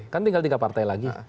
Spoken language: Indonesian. kan tinggal tiga partai lagi